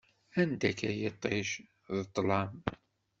Anda-k a yiṭij, d ṭlam!